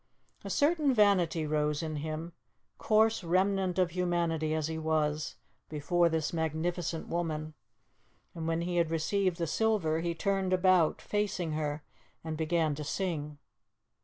A certain vanity rose in him, coarse remnant of humanity as he was, before this magnificent woman, and when he had received the silver, he turned about, facing her, and began to sing.